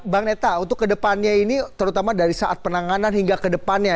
bang neta untuk kedepannya ini terutama dari saat penanganan hingga ke depannya